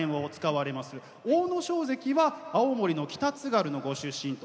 阿武咲関は青森の北津軽のご出身と。